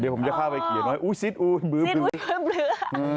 เดี๋ยวผมจะเข้าไปเขียนหน่อยซีดอุ๋ยบลือซีดอุ๋ยบลือ